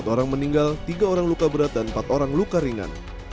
empat orang meninggal tiga orang luka berat dan empat orang luka ringan